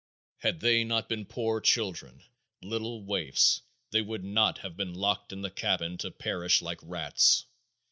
Had they not been poor children, little waifs, they would not have been locked in the cabin to perish like rats.